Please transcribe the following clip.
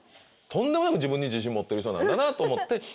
とんでもなく自分に自信持ってる人なんだなと思って。